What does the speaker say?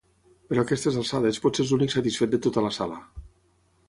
Però a aquestes alçades potser és l'únic satisfet de tota la sala.